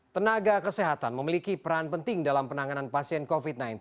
tenaga kesehatan memiliki peran penting dalam penanganan pasien covid sembilan belas